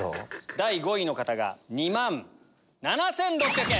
第５位の方が２万７６００円。